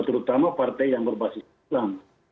terutama partai yang berbasis islam